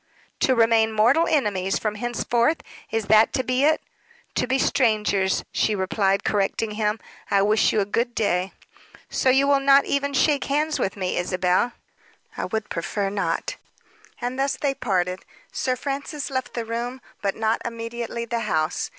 "To remain mortal enemies from henceforth? Is that to be it?" "To be strangers," she replied, correcting him. "I wish you a good day." "So you will not even shake hands with me, Isabel?" "I would prefer not." And thus they parted. Sir Francis left the room, but not immediately the house.